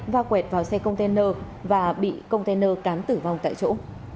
và quẹt vào xe container và bị container cán tử vong tại chỗ